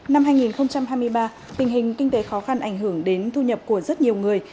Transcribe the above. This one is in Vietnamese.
năm hai nghìn hai mươi ba tình hình kinh tế khó khăn ảnh hưởng đến thu nhập của rất nhiều người